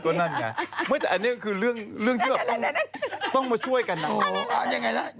อันนี้ก็คือเรื่องที่ต้องมาช่วยกันนะ